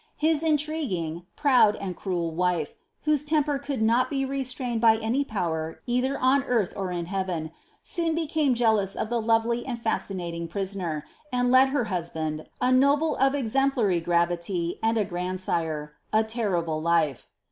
His intriguing, proud, and cruel wife, whose temper could not be restramed by any power either on earth or in heaven, soon became jealous of the lovely and fascinating prisoner, and led her hus band, a noble of exemplary gravity and a grandsire, a terrible life.